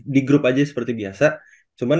di grup aja seperti biasa cuman